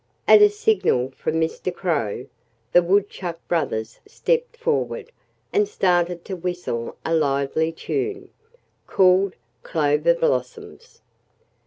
At a signal from Mr. Crow, the Woodchuck brothers stepped forward and started to whistle a lively tune, called "Clover Blossoms."